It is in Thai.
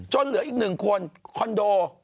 จนเหลืออีกหนึ่งคนคอนโด